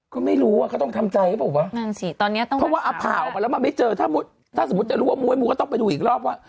ก็ไม่รู้อ่ะเค้าต้องทำใจคือเปอร์เปล่า